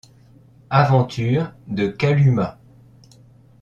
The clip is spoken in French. Aventures de Kalumah —